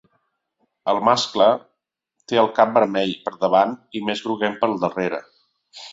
El mascle té el cap vermell per davant i més groguenc pel darrere.